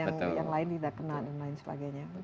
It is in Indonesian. atau unfair kok kita kena yang lain tidak kena dan lain sebagainya